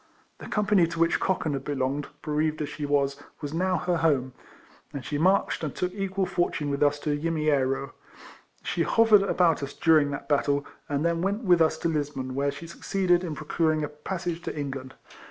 The company to which Cochan had belonged, bereaved as she was, was now her home, and she marched and took equal for tune with us to Yimiero. She hovered about us during that battle, and then went with us to Lisbon, where she succeeded in pro curing a passage to England.